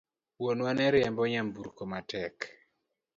Wuonwa ne riembo nyamburko matek